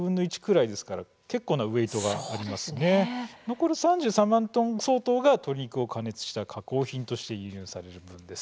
残る３３万トン相当が鶏肉を加熱した加工品として輸入される分です。